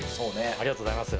ありがとうございます。